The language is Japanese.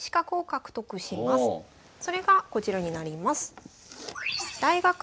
それがこちらになります。